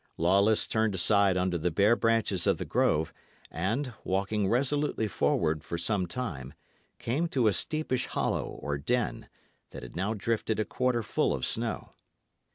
Lawless turned aside under the bare branches of the grove, and, walking resolutely forward for some time, came to a steepish hollow or den, that had now drifted a quarter full of snow.